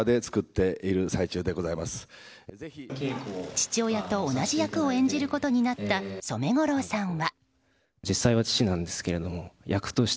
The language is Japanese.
父親と同じ役を演じることになった染五郎さんは。